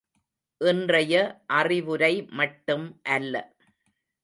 இன்றைய அறிவுரை மட்டும் அல்ல.